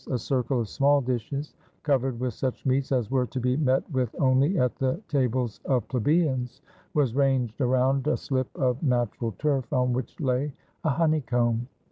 A circle of small dishes, covered with such meats as were to be met with only at the tables of plebeians, was ranged around a slip of natural turf, on which lay a honey comb.